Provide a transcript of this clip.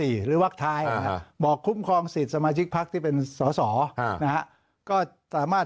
หรือวักท้ายบอกคุ้มครองสิทธิ์สมาชิกพักที่เป็นสอสอนะฮะก็สามารถ